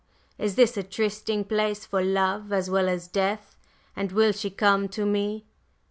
Is this a trysting place for love as well as death? and will she come to me?